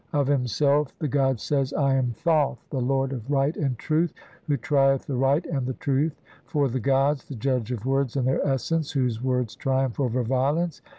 Of himself the god says, "I am Thoth, the lord of "right and truth, who trieth the right and the truth "for the gods, the judge of words in their essence, "whose words triumph over violence